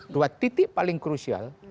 dua titik paling krusial